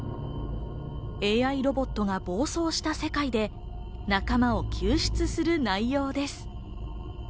ＡＩロボットが暴走した世界で、仲間を救出する内容です。